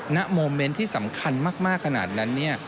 ณโมเม้นท์ที่สำคัญมากขนาดนั้น